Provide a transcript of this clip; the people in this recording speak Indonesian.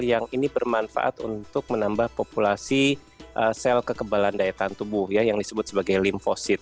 yang ini bermanfaat untuk menambah populasi sel kekebalan daya tahan tubuh yang disebut sebagai limfosit